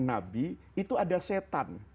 nabi itu ada setan